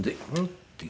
っていう。